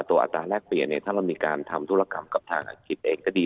อัตราแรกเปลี่ยนเนี่ยถ้าเรามีการทำธุรกรรมกับทางอาชีพเองก็ดี